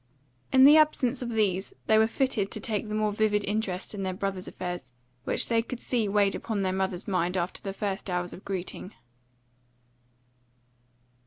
In the absence of these they were fitted to take the more vivid interest in their brother's affairs, which they could see weighed upon their mother's mind after the first hours of greeting.